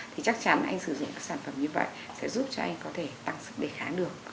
thì chắc chắn anh sử dụng các sản phẩm như vậy sẽ giúp cho anh có thể tăng sức đề kháng được